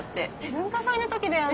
文化祭の時だよね？